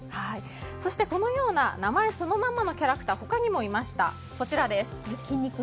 そして、このような名前そのままのキャラクター他にもいました。